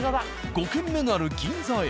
５軒目がある銀座へ。